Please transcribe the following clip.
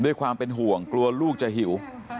ด้วยความเป็นห่วงกลัวลูกจะหิว